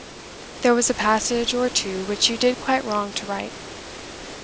"There was a passage or two which you did quite wrong to write.